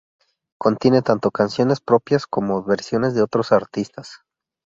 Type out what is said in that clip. Contiene tanto canciones propias como versiones de otros artistas.